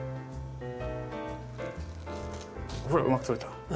ほらうまく取れた。